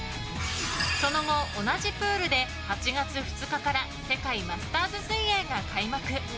その後、同じプールで８月２日から世界マスターズ水泳が開幕。